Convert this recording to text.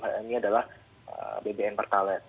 ini adalah bbm pertalat